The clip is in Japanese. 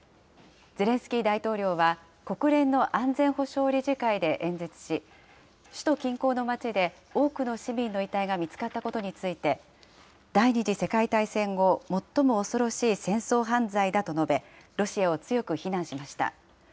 ゼレンスキー大統領は、国連の安全保障理事会で演説し、首都近郊の町で多くの市民の遺体が見つかったことについて、第２次世界大戦後、最も恐ろしい戦争犯罪だと述べ、ロシアを強く非難しました。